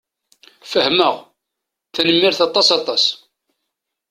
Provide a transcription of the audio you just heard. Fehmeɣ. Tanemmirt aṭas aṭas.